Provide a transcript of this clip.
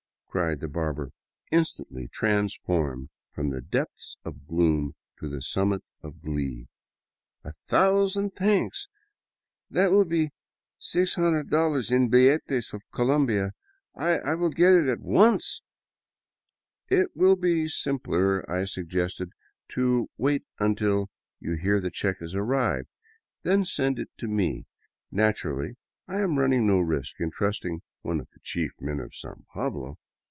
" cried the barber, instantly transformed from the depths of gloom to the summits of glee, " A thousand thanks. That will be $6oo in billetes of Colombia. I will get it at once. ..."*' It will be simpler," I suggested, " to wait until you hear the check has arrived; then send it to me. Naturally I am running no risk in trusting one of the chief men of San Pablo.